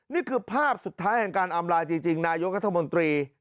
นี่คือภาพสุดท้ายแห่งการอำลาจริงนายกรัฐมนตรี